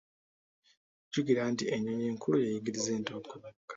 Jjukira nti ennyonyi enkulu yeeyigiriza ento okubuuka.